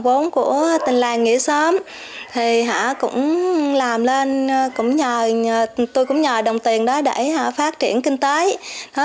vốn của tình làng nghĩa xóm thì cũng làm lên tôi cũng nhờ đồng tiền đó để phát triển kinh tế